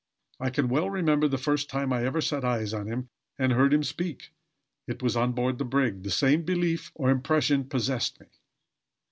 I can well remember the first time I ever set eyes on him and heard him speak it was on board the brig the same belief or impression possessed me.